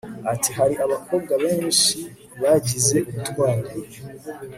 ati hari abakobwa benshi bagize ubutwari